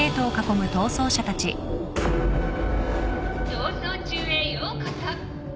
逃走中へようこそ！